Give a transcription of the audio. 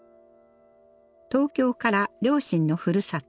東京から両親のふるさと